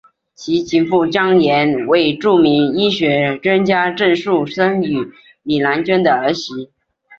其情妇张琰为著名医学专家郑树森与李兰娟的儿媳。